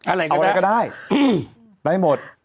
อะไรก็ได้ได้หมด